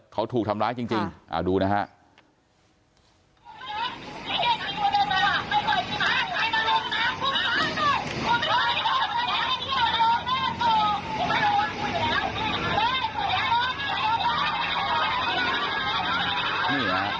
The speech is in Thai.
เขาถูกทำร้ายจริงดูนะฮะ